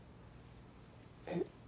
えっ？